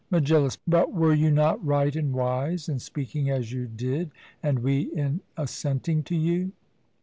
MEGILLUS: But were you not right and wise in speaking as you did, and we in assenting to you?